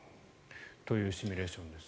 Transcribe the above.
というシミュレーションです。